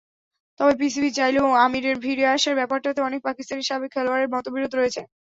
তবে পিসিবি চাইলেও, আমিরের ফিরে আসার ব্যাপারটাতে অনেক পাকিস্তানি সাবেক খেলোয়াড়ের মতবিরোধ রয়েছে।